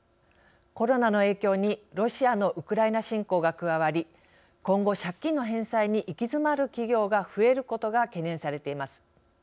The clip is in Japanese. コロナの影響にロシアのウクライナ侵攻が加わり今後借金の返済に行き詰まる企業が増えることが懸念されています。